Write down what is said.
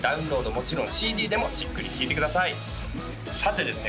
もちろんＣＤでもじっくり聴いてくださいさてですね